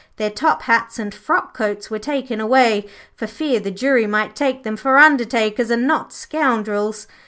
Their top hats and frock coats were taken away, for fear the jury might take them for undertakers, and not scoundrels.